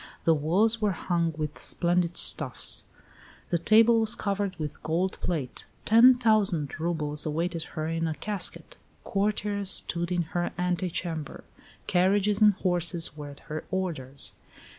"The walls were hung with splendid stuffs; the table was covered with gold plate; ten thousand roubles awaited her in a casket. Courtiers stood in her ante chamber; carriages and horses were at her orders."